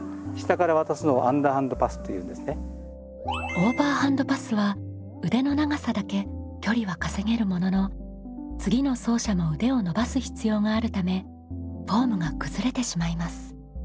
オーバーハンドパスは腕の長さだけ距離は稼げるものの次の走者も腕を伸ばす必要があるためフォームが崩れてしまいます。